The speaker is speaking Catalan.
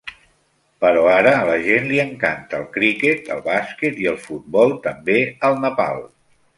Però ara a la gent li encanta el criquet, el bàsquet i el futbol també al Nepal.